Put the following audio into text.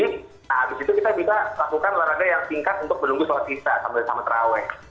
nah abis itu kita lakukan olahraga yang singkat untuk menunggu sholat isya sama terawet